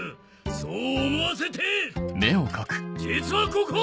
そう思わせて実はここ！